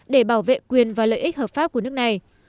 để bảo vệ quyền và lợi ích hợp pháp của nước này